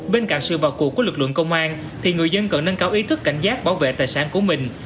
bên cạnh sự vào cuộc của lực lượng công an thì người dân cần nâng cao ý thức cảnh giác bảo vệ tài sản của mình